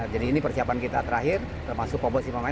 jadi ini persiapan kita terakhir termasuk komposisi pemain